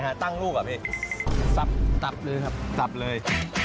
อ๋อคนลิ่นที่ไปอีกหรอพี่